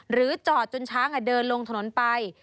หรือจอดจนช้างเดินลงถนนไป